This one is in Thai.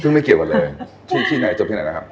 ซึ่งไม่เกี่ยวกันเลยที่ไหนจบที่ไหนนะครับ